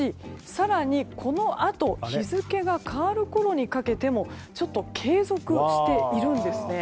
更にこのあと日付が変わるころにかけてもちょっと継続しているんですね。